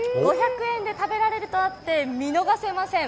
５００円で食べられるとあって見逃せません。